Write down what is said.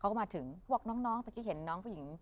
มาถึงบอกน้องตะกี้เห็นน้องผู้หญิง